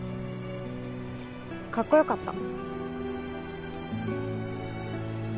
かっこよかった。